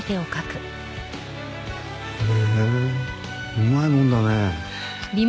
うまいもんだね。